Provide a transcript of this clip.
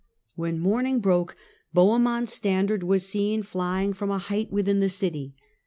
When morning broke Bohemond's standard was seen flying from a height within the city.